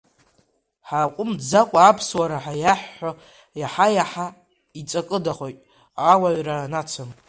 Ҳааҟәымҵӡакәа аԥсуара ҳәа иаҳҳәо, иаҳа-иаҳа иҵакыдахоит ауаҩра анацым.